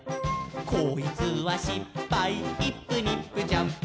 「こいつはしっぱいイップニップジャンプ」